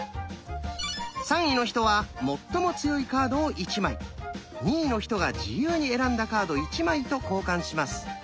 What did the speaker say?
３位の人は最も強いカードを１枚２位の人が自由に選んだカード１枚と交換します。